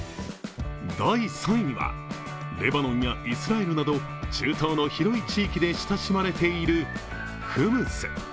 第３位は、レバノンやイスラエルなど中東の広い地域で親しまれているフムス。